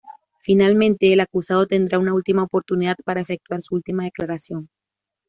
Finalmente, el acusado tendrá una última oportunidad para efectuar su última declaración.